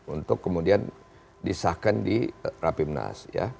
untuk kemudian disahkan di rapimnas